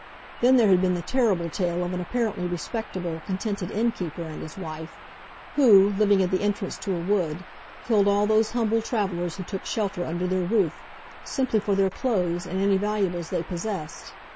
Then there had been the terrible tale of an apparently respectable, contented innkeeper and his wife, who, living at the entrance to a wood, killed all those humble travellers who took shelter under their roof, simply for their clothes, and any valuables they possessed.